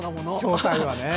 正体はね。